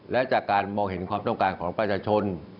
และจากการมองเห็นความต้องการของประชาชน